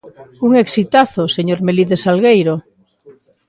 ¡Un exitazo, señor Melide Salgueiro!